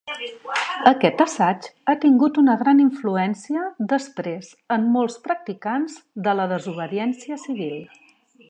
Aquest assaig ha tingut una gran influència després en molts practicants de la desobediència civil.